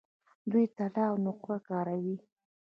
دوی طلا او نقره کاروي.